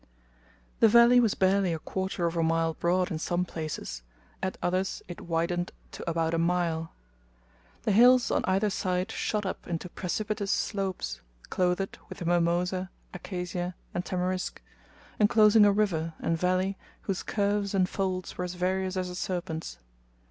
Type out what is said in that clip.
The valley was barely a quarter of a mile broad in some places at others it widened to about a mile. The hills on either side shot up into precipitous slopes, clothed with mimosa, acacia, and tamarisk, enclosing a river and valley whose curves and folds were as various as a serpent's.